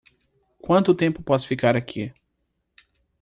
Quanto tempo posso ficar aqui?